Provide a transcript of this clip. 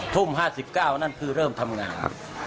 ทุ่ม๕๙นั่นคือเริ่มทำงาน